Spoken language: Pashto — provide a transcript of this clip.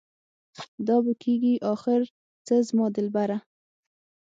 دا به کيږي اخر څه زما دلبره؟